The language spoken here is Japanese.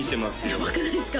やばくないですか？